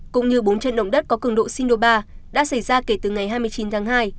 cũng như bốn trận động đất có cường độ sinh độ ba đã xảy ra kể từ ngày hai mươi chín tháng hai